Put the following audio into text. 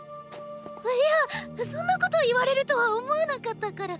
いやそんなこと言われるとは思わなかったから。